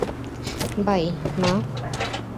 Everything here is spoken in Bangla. বাই, মা।